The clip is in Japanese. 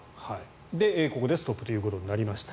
ここでストップということになりました。